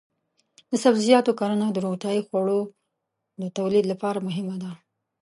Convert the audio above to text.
د سبزیجاتو کرنه د روغتیايي خوړو د تولید لپاره مهمه ده.